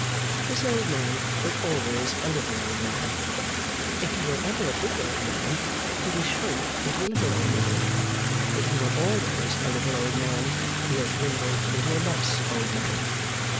This old man is always a little old man. If he were ever a big old man, he has shrunk into a little old man; if he were always a little old man, he has dwindled into a less old man.